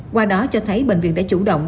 qua đó cho thấy bệnh viện đã chủ động